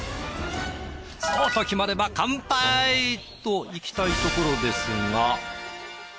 そうと決まれば乾杯といきたいところですが。